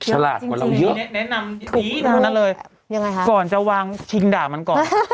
ฉลาดกว่าเราเยอะถูกด้วยอย่างนั้นเลยจริงแนะนำนี้อย่างนั้นเลย